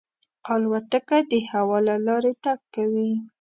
الوتکه د هوا له لارې تګ کوي.